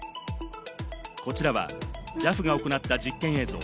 こちらはＪＡＦが行った実験映像。